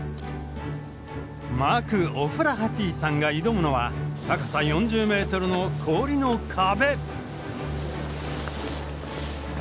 マーク・オフラハティさんが挑むのは高さ４０ｍの氷の壁。